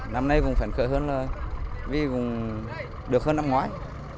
năm nay cũng phấn khởi hơn vì cũng được hơn năm ngoái